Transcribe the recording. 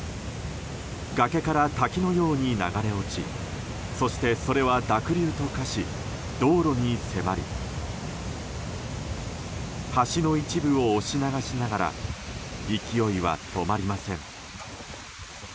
崖から滝のように流れ落ちそして、それは濁流と化し道路に迫り橋の一部を押し流しながら勢いは止まりません。